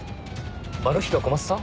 マルヒが小松さん？